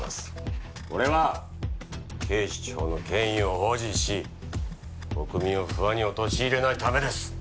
これは警視庁の権威を保持し国民を不安に陥れないためです。